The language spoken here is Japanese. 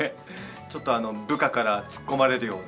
ちょっとあの、部下から突っ込まれるような。